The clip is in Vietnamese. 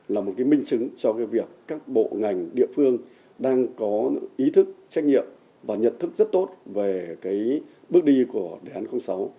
là một minh chứng cho việc các bộ ngành địa phương đang có ý thức trách nhiệm và nhận thức rất tốt về bước đi của đề hạn sáu